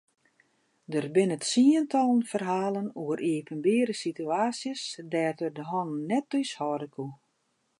Der binne tsientallen ferhalen oer iepenbiere situaasjes dêr't er de hannen net thúshâlde koe.